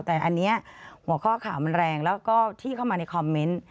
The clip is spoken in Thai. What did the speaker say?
แต่อันนี้หัวข้อข่าวมันแรงแล้วก็ที่เข้ามาในคอมเมนต์